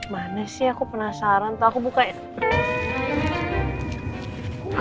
mana sih aku penasaran tau aku buka ya